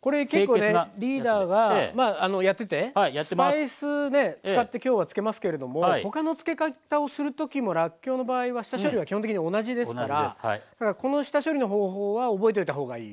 これ結構ねリーダーがやっててスパイス使ってきょうは漬けますけれども他の漬け方をする時もらっきょうの場合は下処理は基本的に同じですからだからこの下処理の方法は覚えといた方がいいですね。ですね。